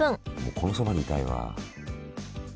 このそばにいたいわ。